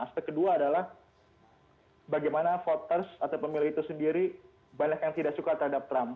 aspek kedua adalah bagaimana voters atau pemilih itu sendiri banyak yang tidak suka terhadap trump